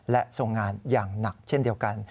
และทรงงานอย่างหนักเช่นเดียวกัน